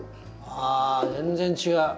あ全然違う。